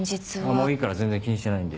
もういいから全然気にしてないんで。